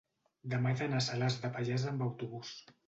demà he d'anar a Salàs de Pallars amb autobús.